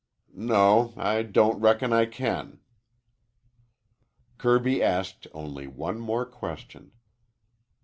"No, I don't reckon I can." Kirby asked only one more question.